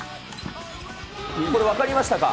これ分かりましたか。